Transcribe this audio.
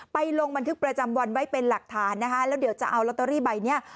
ลงบันทึกประจำวันไว้เป็นหลักฐานนะคะแล้วเดี๋ยวจะเอาลอตเตอรี่ใบเนี้ย